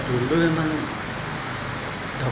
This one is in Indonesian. bukanya dua puluh empat jam